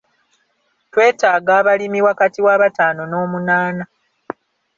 Twetaaga abalimi wakati w’abataano n’omunaana.